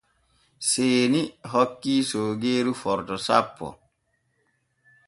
Seeni hokki soogeeru forto sappo.